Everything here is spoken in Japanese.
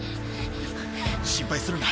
心配するな。